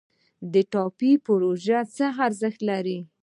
د ټاپي پروژه څه ارزښت لري؟